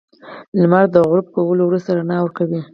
• لمر د غروب کولو وروسته رڼا ورکوي.